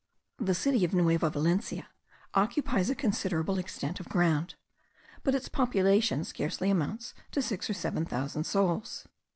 The city of Nueva Valencia occupies a considerable extent of ground, but its population scarcely amounts to six or seven thousand souls.